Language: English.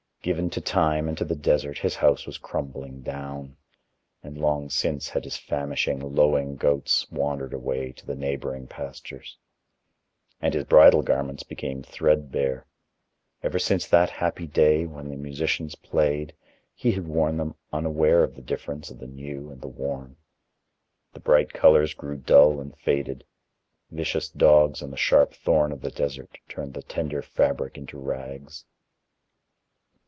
Given to Time and to the Desert, his house was crumbling down, and long since had his famishing, lowing goats wandered away to the neighboring pastures. And his bridal garments became threadbare. Ever since that happy day, when the musicians played, he had worn them unaware of the difference of the new and the worn. The bright colors grew dull and faded; vicious dogs and the sharp thorn of the Desert turned the tender fabric into rags.